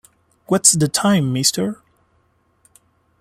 What's the Time Mr.